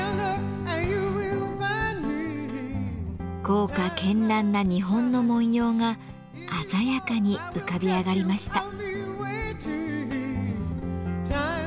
豪華けんらんな日本の文様が鮮やかに浮かび上がりました。